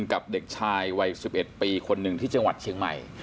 กับเด็กชายวัย๑๑ปีคนหนึ่งที่จังหวัดเชียงใหม่